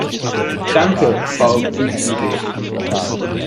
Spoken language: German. Danke, Frau Buitenweg.